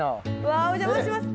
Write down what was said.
わお邪魔します。